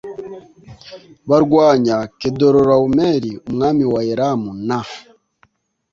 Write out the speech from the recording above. Barwanya Kedorulawomeri umwami wa Elamu na